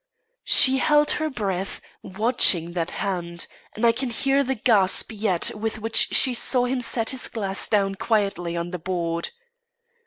She held her breath, watching that hand; and I can hear the gasp yet with which she saw him set his glass down quietly on the board.